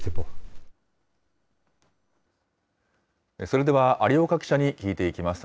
それでは、有岡記者に聞いていきます。